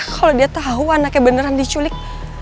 kalau dia tahu anaknya beneran diculik